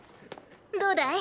どうだい！